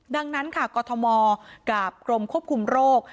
ดังนั้นค่ะกรทมกับกรมควบคุมโรค